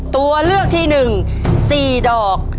ตัวเลือกที่๑๔ดอก